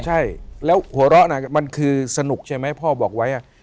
ใช่แล้วหัวเราะน่ะมันคือสนุกใช่ไหมพ่อบอกไว้